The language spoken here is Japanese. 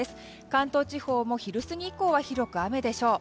関東地方も昼過ぎ以降は広く雨でしょう。